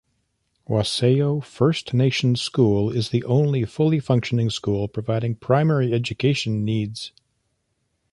Wasayo First Nation School is the only full functioning school providing primary education needs.